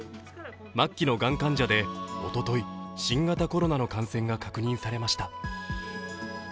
末期のがん患者でおととい、新型コロナの感染が確認されました。